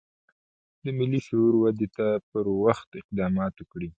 د ملي شعور ودې ته پر وخت اقدامات وکړي.